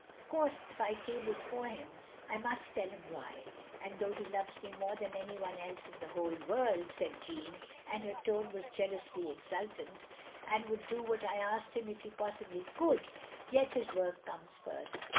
Of course if I cabled for him, I must tell him why. And though he loves me more than any one else in the whole world," said Jeanne, and her tone was jealotisly exultant, "and would do what I asked him if he possibly could — ^yet his work comes first.